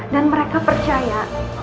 dan mereka percaya